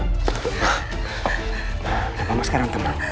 mama sekarang tahu